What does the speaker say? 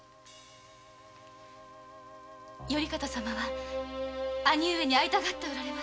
頼方様は兄上に会いたがっておられます。